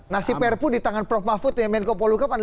nah si perpu di tangan prof mahfud yang main kopolu kapan